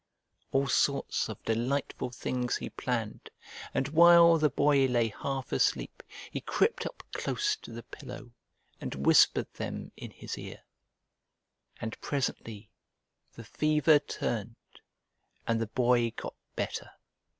All sorts of delightful things he planned, and while the Boy lay half asleep he crept up close to the pillow and whispered them in his ear. And presently the fever turned, and the Boy got better.